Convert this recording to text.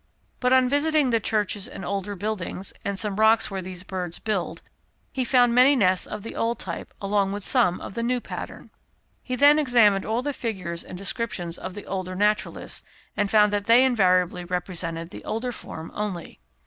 But on visiting the churches and older buildings, and some rocks where these birds build, he found many nests of the old type along with some of the new pattern. He then examined all the figures and descriptions of the older naturalists, and found that they invariably represented the older form only.